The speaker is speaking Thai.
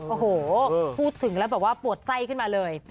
โอ้โหพูดถึงแล้วแบบว่าปวดไส้ขึ้นมาเลย